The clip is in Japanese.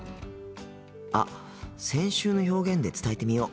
あ先週の表現で伝えてみよう。